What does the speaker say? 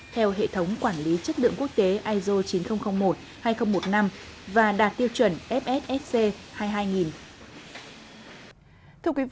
theo hệ thống quản lý chất lượng quốc tế iso chín nghìn một hai nghìn một mươi năm và đạt tiêu chuẩn fsc hai mươi hai